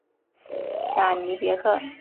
贾尼别克。